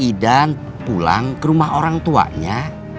idan pulang ke rumah orang tuanya